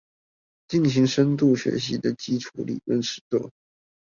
進行深度學習的基礎理論實作